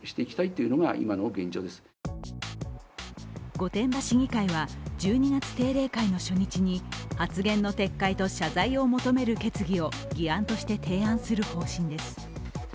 御殿場市議会は１２月定例会の初日に発言の撤回と謝罪を求める決議を議案として提案する方針です。